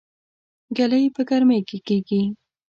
ګلۍ په ګرمۍ کې کيږي